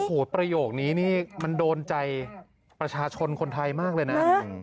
โอ้โหประโยคนี้นี่มันโดนใจประชาชนคนไทยมากเลยนะ